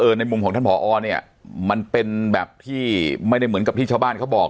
ในมุมของท่านผอเนี่ยมันเป็นแบบที่ไม่ได้เหมือนกับที่ชาวบ้านเขาบอก